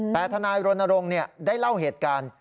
แต่ธนายบริโรนโรงได้เล่าเหตุการณ์